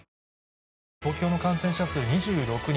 東京の感染者数２６人